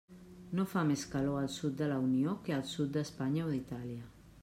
No fa més calor al sud de la Unió que al sud d'Espanya o d'Itàlia.